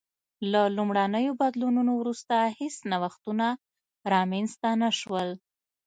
له لومړنیو بدلونونو وروسته هېڅ نوښتونه رامنځته نه شول